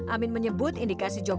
amin menyebut indikasi jokowi